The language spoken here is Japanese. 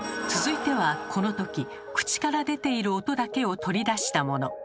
続いてはこの時口から出ている音だけを取り出したもの。